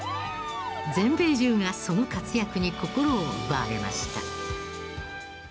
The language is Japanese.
全米中がその活躍に心を奪われました。